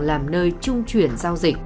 làm nơi trung chuyển giao dịch